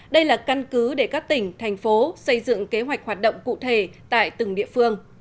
đây là căn cứ để các tỉnh thành phố xây dựng kế hoạch hoạt động cụ thể tại từng địa phương